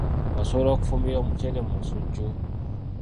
Osobola okufumbira omuceere mu nsujju.